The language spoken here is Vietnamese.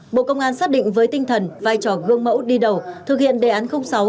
bộ công an xác định với tinh thần vai trò gương mẫu đi đầu thực hiện đề án sáu